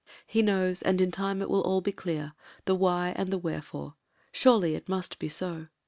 He knows, and in time it will all be clear — ^the why and the where Fore. Surely it must be so.